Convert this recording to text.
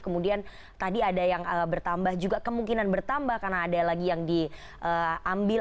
kemudian tadi ada yang bertambah juga kemungkinan bertambah karena ada lagi yang diambil